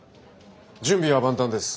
準備は万端です。